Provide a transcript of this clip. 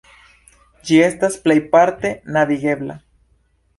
Ĝi estas plejparte navigebla.